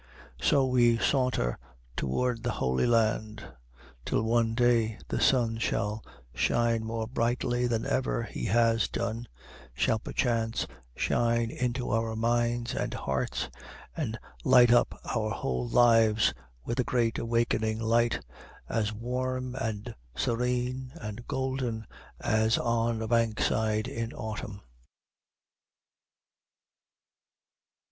So we saunter toward the Holy Land, till one day the sun shall shine more brightly than ever he has done, shall perchance shine into our minds and hearts, and light up our whole lives with a great awakening light, as warm and serene and golden as on a bank side in autumn.